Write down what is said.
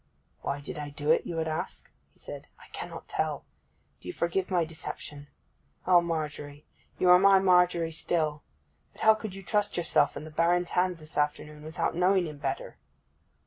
'Why did I do it, you would ask,' he said. 'I cannot tell. Do you forgive my deception? O Margery—you are my Margery still! But how could you trust yourself in the Baron's hands this afternoon, without knowing him better?